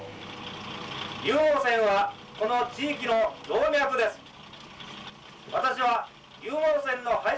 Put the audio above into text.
湧網線はこの地域の動脈です。